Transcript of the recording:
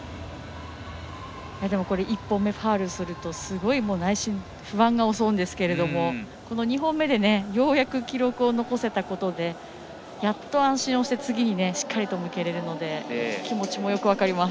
１本目、ファウルするとすごい内心不安が襲うんですけど２本目でようやく記録を残せたことでやっと安心して次にしっかり向き合えるので気持ちもよく分かります。